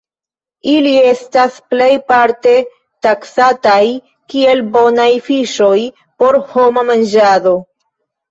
Ili estas plejparte taksataj kiel bonaj fiŝoj por homa manĝado.